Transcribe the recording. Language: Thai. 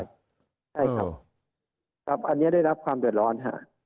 ใช่ครับอันนี้ได้รับความเดือดร้อนครับ